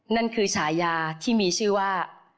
นั่นคือฉายาที่มีชื่อว่า